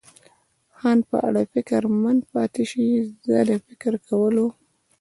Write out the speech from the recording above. ځان په اړه فکرمند پاتې شي، زه د فکر کولو.